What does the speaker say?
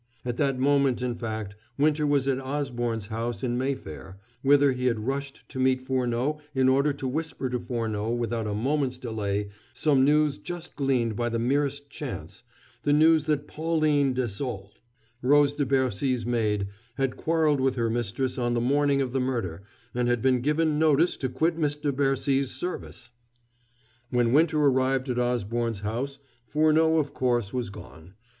At that moment, in fact, Winter was at Osborne's house in Mayfair, whither he had rushed to meet Furneaux in order to whisper to Furneaux without a moment's delay some news just gleaned by the merest chance the news that Pauline Dessaulx, Rose de Bercy's maid, had quarreled with her mistress on the morning of the murder, and had been given notice to quit Miss de Bercy's service. When Winter arrived at Osborne's house Furneaux, of course, was gone.